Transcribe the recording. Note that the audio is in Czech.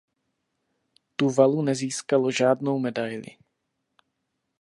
Tuvalu nezískalo žádnou medaili.